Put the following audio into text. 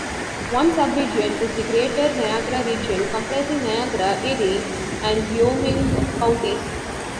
One "sub-region" is the Greater Niagara Region, comprising Niagara, Erie and Wyoming counties.